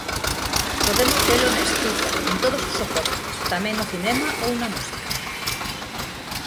Podemos velo na escrita, en todos os soportes, tamén no cinema ou na musica.